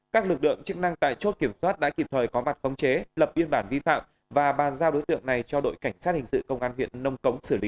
các lực lượng chức năng tại chốt kiểm soát đã kịp thời có mặt khống chế lập biên bản vi phạm và bàn giao đối tượng này cho đội cảnh sát hình sự công an huyện nông cống xử lý